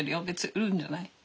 別に売るんじゃない。